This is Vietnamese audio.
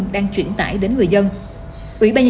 đang truyền tải đến các bác sĩ